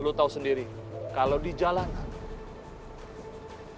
lo tau sendiri kalau di jalanan